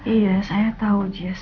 iya saya tau jess